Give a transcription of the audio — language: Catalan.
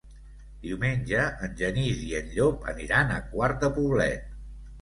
Diumenge en Genís i en Llop aniran a Quart de Poblet.